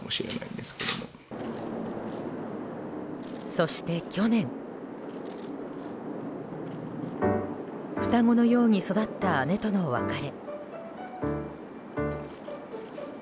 そして、去年双子のように育った姉とのお別れ。